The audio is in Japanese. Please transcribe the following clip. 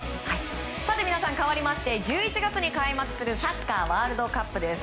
かわりまして１１月に開幕するサッカーワールドカップです。